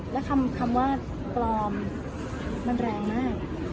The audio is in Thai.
แล้วคำว่าปลอมมันแรงมาก